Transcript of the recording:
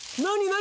何？